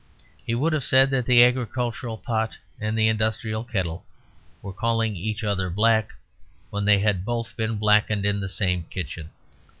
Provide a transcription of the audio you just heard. He would have said that the agricultural pot and the industrial kettle were calling each other black, when they had both been blackened in the same kitchen.